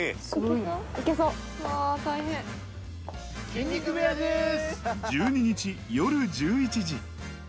筋肉部屋です。